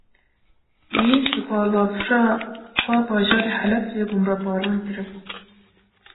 Wî, bi balafira xwe bajarê Helebceyê bombebaran kiribû